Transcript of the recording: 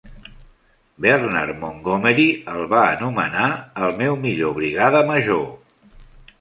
Bernard Montgomery el va anomenar "el meu millor brigada major".